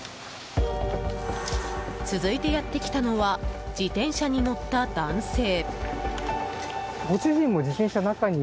続いてやってきたのは自転車に乗った男性。